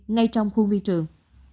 ngay trong khu viên trường